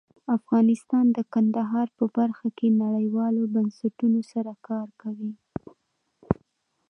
افغانستان د کندهار په برخه کې نړیوالو بنسټونو سره کار کوي.